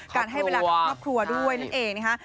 ให้เวลากับครอบครัวด้วยนั่นเองนะคะ